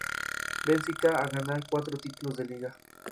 Benfica a ganar cuatro títulos de liga.